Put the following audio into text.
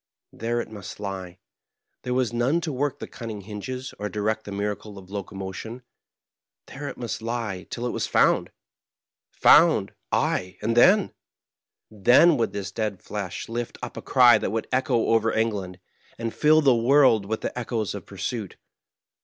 There it must lie ; there was none to work the cunning hinges or direct the miracle of locomotion — ^there it must lie till it was found. Found I ay, and then ? Then would this dead flesh lift up a cry that would echo over England, and fill the world with the echoes of pursuit.